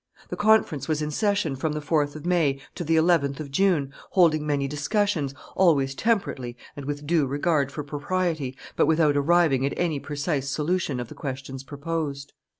The conference was in session from the 4th of May to the 11th of June, holding many discussions, always temperately and with due regard for propriety, but without arriving at any precise solution of the questions proposed.